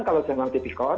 kalau semangat tipik kor